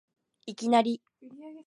いきなり